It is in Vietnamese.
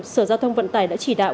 sở giao thông vận tải đã chỉ đạo